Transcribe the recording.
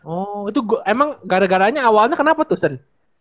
oh itu emang gara garanya awalnya kenapa tuh sen